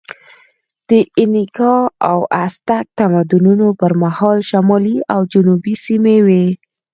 د اینکا او ازتک تمدنونو پر مهال شمالي او جنوبي سیمې وې.